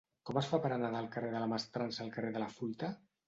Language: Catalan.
Com es fa per anar del carrer de la Mestrança al carrer de la Fruita?